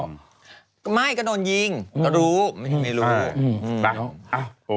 ไม่ก็โดนยิงก็รู้ไม่รู้